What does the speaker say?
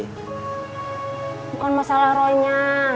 bukan masalah roynya